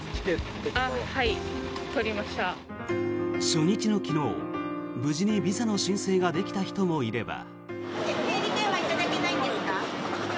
初日の昨日無事にビザの申請ができた人もいれば。